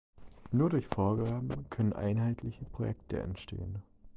Nur durch Vorgaben können einheitliche Projekte entstehen.